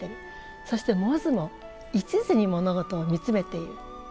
そしてモズもいちずに物事を見つめている。